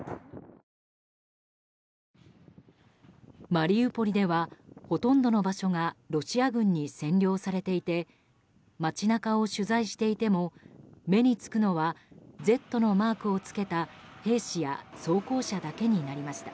マリウポリではほとんどの場所がロシア軍に占領されていて街中を取材していても目につくのは「Ｚ」のマークを付けた兵士や装甲車だけになりました。